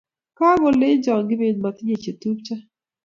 kolecho kibet matinye che tupcho